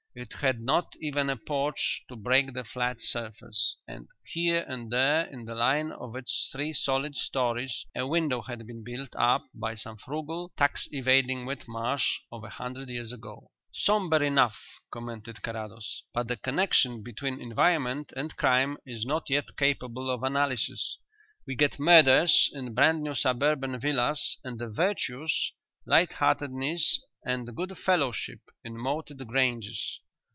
It had not even a porch to break the flat surface, and here and there in the line of its three solid storeys a window had been built up by some frugal, tax evading Whitmarsh of a hundred years ago. "Sombre enough," commented Carrados, "but the connexion between environment and crime is not yet capable of analysis. We get murders in brand new suburban villas and the virtues, light heartedness and good fellowship, in moated granges.